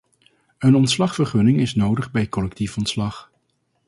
Een ontslagvergunning is nodig bij collectief ontslag.